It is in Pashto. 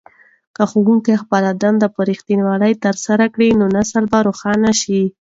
که ښوونکي خپلې دندې په رښتینولۍ ترسره کړي نو نسل به روښانه شي.